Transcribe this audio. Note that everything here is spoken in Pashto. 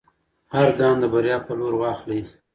هر ګام د بریا په لور واخلئ.